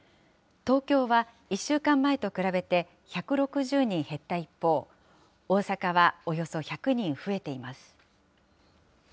東京は１週間前と比べて１６０人減った一方、大阪はおよそ１００人増えています。